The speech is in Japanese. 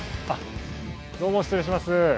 どうも失礼します。